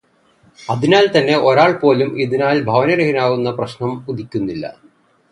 അതിനാല് തന്നെ ഒരാള്പോലും ഇതിനാല് ഭവനരഹിതരാകുന്ന പ്രശ്നം ഉദിക്കുന്നില്ല.